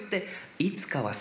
「いつかは。」